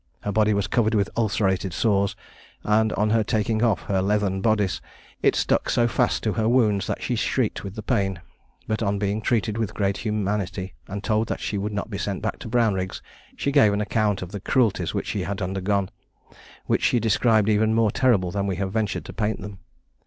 Her body was covered with ulcerated sores; and on her taking off her leathern boddice, it stuck so fast to her wounds that she shrieked with the pain; but, on being treated with great humanity, and told that she should not be sent back to Brownrigg's, she gave an account of the cruelties which she had undergone, which she described as even more terrible than we have ventured to paint them.